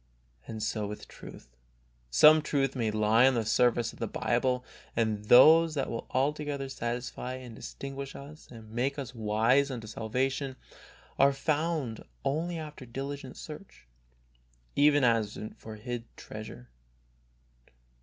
And so with truth. Some truth may lie on the surface of the Bible, but those that will altogether satisfy and distinguish us and make us wise unto salvation are found only after diligent search, even as for hid treasure.